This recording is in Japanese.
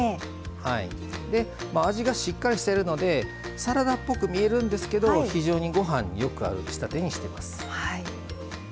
味が、しっかりしてるのでサラダっぽく見えるんですけど非常にご飯によく合う仕立てにしています。